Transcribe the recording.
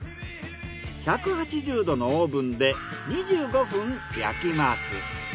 １８０℃のオーブンで２５分焼きます。